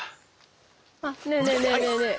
あっねえねえねえねえねえ。